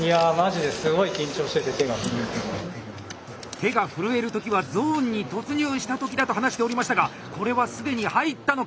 手が震える時はゾーンに突入した時だと話しておりましたがこれは既に入ったのか⁉